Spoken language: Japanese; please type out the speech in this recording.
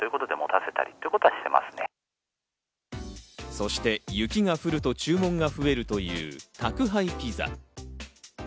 そして、雪が降ると注文が増えるという宅配ピザ。